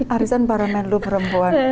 arisan para menlu perempuan